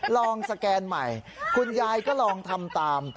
สแกนใหม่คุณยายก็ลองทำตาม